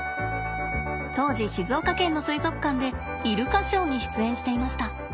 当時静岡県の水族館でイルカショーに出演していました。